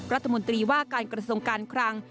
รัฐมนตรีว่าการกระทรวงการคลัง